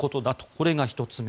これが１つ目。